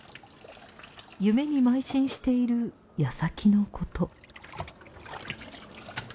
夢にまい進している矢先のこと。